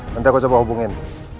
nanti aku coba hubungin